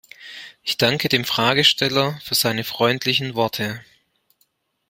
Ich danke dem Fragesteller für seine freundlichen Worte.